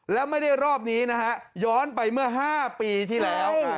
แล้วไม่ได้รอบนี้นะฮะย้อนไปเมื่อ๕ปีที่แล้ว